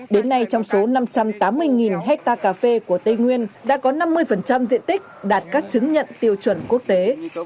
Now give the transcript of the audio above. đến nay trong số năm trăm tám mươi hectare cà phê của tây nguyên đã có năm mươi diện tích đạt các chứng nhận tiêu chuẩn quốc tế